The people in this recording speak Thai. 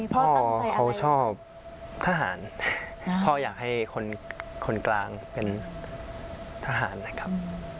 พ่อเขาชอบทหารพ่ออยากให้คนกลางเป็นทหารนะครับ